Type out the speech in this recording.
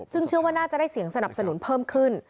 ซึ่งเชื่อว่าน่าจะได้เสียงสนับสนุนเพิ่มขึ้น